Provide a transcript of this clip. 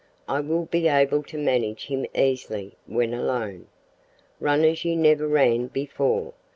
I will be able to manage him easily when alone. Run as you never ran before.